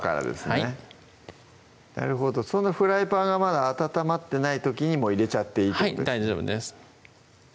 はいなるほどそんなフライパンがまだ温まってない時に入れちゃっていいってことですね